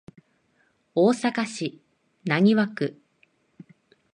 大阪市浪速区